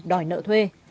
đòi nợ thuê